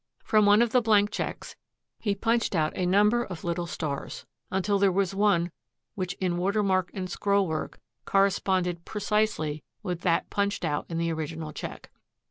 From one of the blank checks he punched out a number of little stars until there was one which in watermark and scroll work corresponded precisely with that punched out in the original check.